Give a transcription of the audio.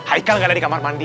haikal gak ada di kamar mandi